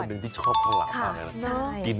คุณหนึ่งที่ชอบข้างหลังมากเลยนะจริง